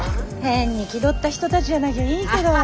変に気取った人たちじゃなきゃいいけど。